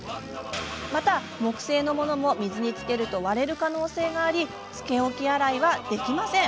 また、木製のものも水につけると割れる可能性がありつけ置き洗いできません。